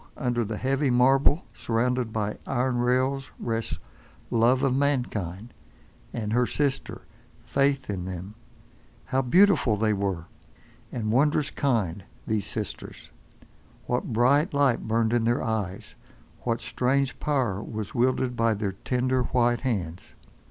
under the heavy marble surrounded by iron rails rests Love of mankind, and her sister Faith in them. How beautiful were they, and wondrous kind—these sisters. What bright light burned in their eyes, what strange power was wielded by their tender, white hands!